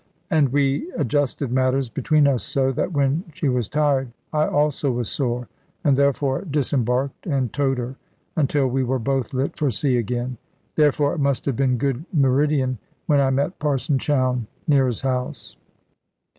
And we adjusted matters between us so, that when she was tired I also was sore, and therefore disembarked and towed her, until we were both lit for sea again. Therefore it must have been good meridian when I met Parson Chowne near his house.